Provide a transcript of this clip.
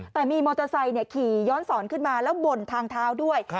แต่มีมอเตอร์ไซค์ขี่ย้อนสอนขึ้นมาแล้วบ่นทางเท้าด้วย